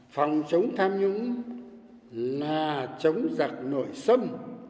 phòng chống tham nhũng là chống giặc nội xâm